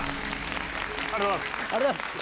ありがとうございます。